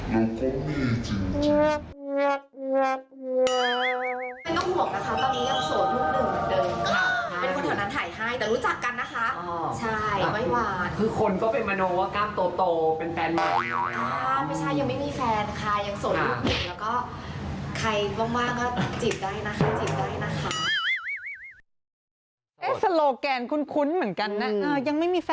ไม่ต้องห่วงนะคะตอนนี้ยังโทนลูกหนึ่งเหมือนเดิมค่ะ